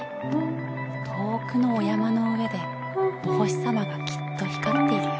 遠くのお山の上でお星様がきっと光っているよ。